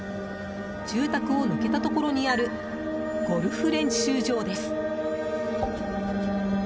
住宅を抜けたところにあるゴルフ練習場です。